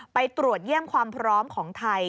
ไปตรวจเยี่ยมความพร้อมของไทย